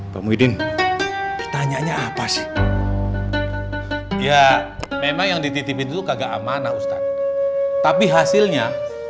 pemudin ditanyanya apa sih ya memang yang dititipin itu kagak amanah ustadz tapi hasilnya